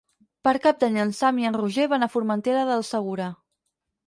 Per Cap d'Any en Sam i en Roger van a Formentera del Segura.